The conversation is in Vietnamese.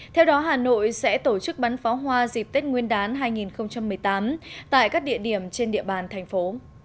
theo đó hà nội sẽ tổ chức bắn pháo hoa dịp tết nguyên đán hai nghìn một mươi tám tại các địa điểm trên địa bàn thành phố